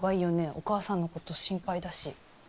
お母さんのこと心配だし。